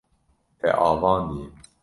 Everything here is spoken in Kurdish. Te avandiye.